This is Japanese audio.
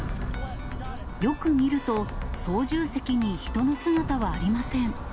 よく見ると、操縦席に人の姿はありません。